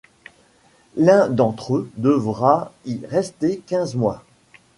L'un d'entre eux devra y rester quinze mois.